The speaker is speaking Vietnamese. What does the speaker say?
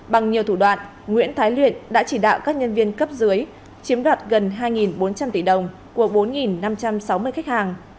bằng nhiều thủ đoạn nguyễn thái luyện đã chỉ đạo các nhân viên cấp dưới chiếm đoạt gần hai bốn trăm linh tỷ đồng của bốn năm trăm sáu mươi khách hàng